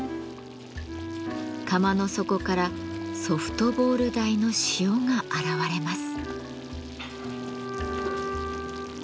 釜の底からソフトボール大の塩が現れます。